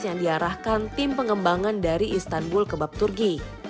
yang diarahkan tim pengembangan dari istanbul kebab turki